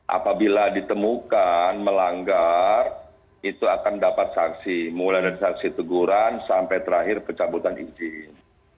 apabila ditemukan melanggar itu akan dapat saksi mulai dari saksi teguran sampai terakhir pencabutan izin